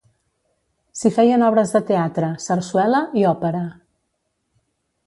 S'hi feien obres de teatre, sarsuela i òpera.